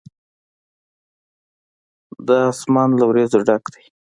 دا آسمان له وريځو ډک دی.